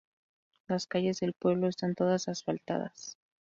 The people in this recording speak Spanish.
Las calles del pueblo están todas asfaltadas.